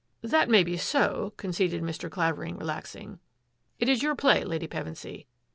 " That may be so," conceded Mr. Clavering, re laxing. " It is your play. Lady Pevensy."